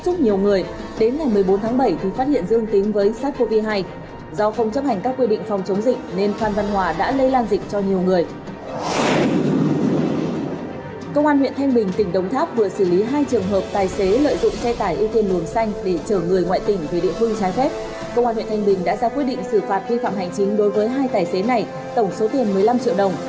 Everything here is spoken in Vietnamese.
công an huyện thanh bình đã ra quyết định xử phạt vi phạm hành chính đối với hai tài xế này tổng số tiền một mươi năm triệu đồng